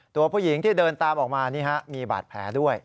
ตัวผู้หญิงที่เดินตามออกมามีบาดแผลด้วย